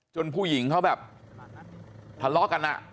ผู้หญิงเขาแบบทะเลาะกัน